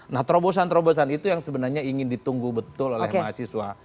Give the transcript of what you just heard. nah terobosan terobosan itu yang sebenarnya ingin ditunggu betul oleh mahasiswa